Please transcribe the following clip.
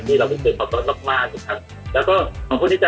นี่เรามีความเรื่องเกินมากมากนี่ครับ